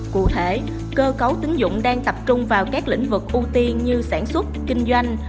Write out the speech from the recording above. cụ thể cơ cấu tính dụng đang tập trung vào các lĩnh vực ưu tiên như sản xuất kinh doanh